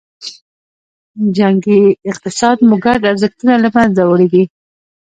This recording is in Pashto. جنګي اقتصاد مو ګډ ارزښتونه له منځه وړي دي.